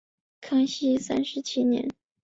清康熙三十七年。